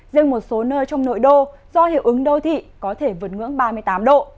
riêng một số nơi trong nội đô do hiệu ứng đô thị có thể vượt ngưỡng ba mươi tám độ